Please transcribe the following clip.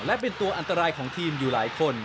และเป็นตัวอันตรายของทีมอยู่หลายคน